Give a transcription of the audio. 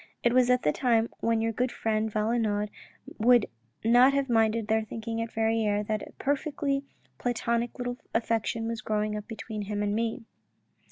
It was at the time when your good friend Valenod would not have minded their thinking at Verrieres that a perfectly platonic little affection was growing up between him and me."